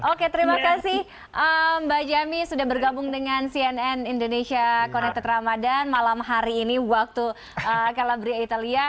oke terima kasih mbak jami sudah bergabung dengan cnn indonesia connected ramadan malam hari ini waktu calabria italia